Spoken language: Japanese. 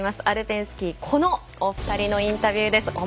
アルペンスキー、このお二人のインタビューです。